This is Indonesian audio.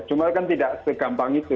cuma kan tidak segampang itu